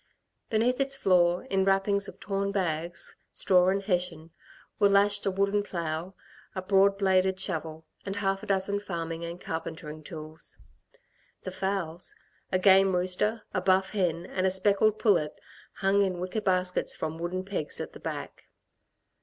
Beneath its floor, in wrappings of torn bags, straw and hessian, were lashed a wooden plough, a broad bladed shovel, and half a dozen farming and carpentering tools. The fowls a game rooster, a buff hen and a speckled pullet hung in wicker baskets from wooden pegs at the back.